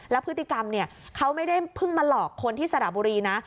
แล้วพฤติกรรมเขาไม่ได้เพิ่งมาหลอกคนที่สระบุรีนะ